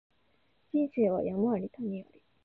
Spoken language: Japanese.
人生は山あり谷あり